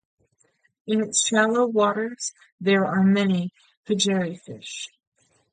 In its shallow waters there are many pejerrey fish.